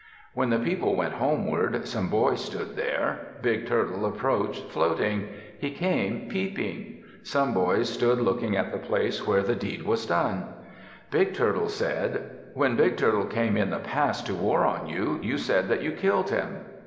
When the people went homeward, some boys stood there. Big Turtle approached, floating. He came peeping. Some boys stood looking at the place where the deed was done. Big Turtle said, "When Big Turtle came in the past to war on you, you said that you killed him.